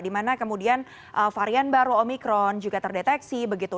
dimana kemudian varian baru omikron juga terdeteksi begitu